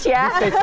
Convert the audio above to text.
di stage juga kan